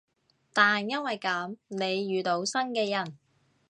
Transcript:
但因為噉，你遇到新嘅人